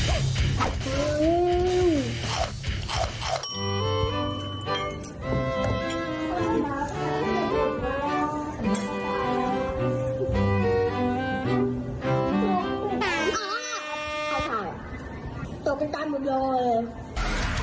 อ่าขอถามอ่ะตัวกันตั้งหมดโยย